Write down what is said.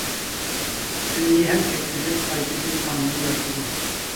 تۈننى ھەم كەتكۈزۈپ قايتىدىن تاڭنى يارىتىدۇ.